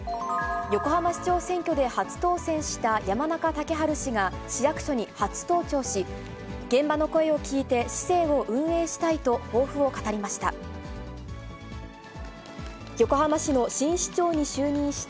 横浜市長選挙で初当選した山中竹春氏が、市役所に初登庁し、現場の声を聞いて、市政を運営したいと、抱負を語りました。